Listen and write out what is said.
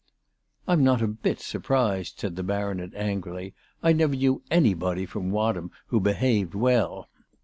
" I'm not a bit surprised," said the Baronet angrily. " I never knew anybody from Wadham behave well."